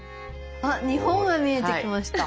あっ日本が見えてきました。